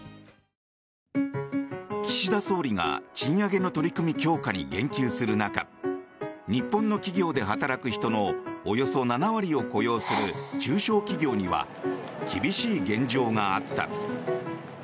岸田総理が賃上げの取り組み強化に言及する中日本の企業で働く人のおよそ７割を雇用する中小企業には厳しい現状があった。